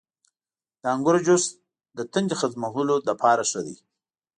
• د انګورو جوس د تندې ختمولو لپاره ښه دی.